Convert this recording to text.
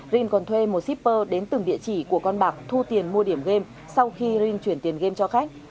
rin còn thuê một shipper đến từng địa chỉ của con bạc thu tiền mua điểm game sau khi rin chuyển tiền game cho khách